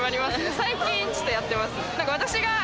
最近ちょっとやってますね。